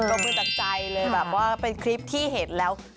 บมือจากใจเลยแบบว่าเป็นคลิปที่เห็นแล้ว